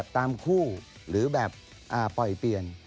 ตามคู่หรือแบบปล่อยเปลี่ยน